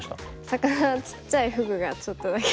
魚ちっちゃいフグがちょっとだけ。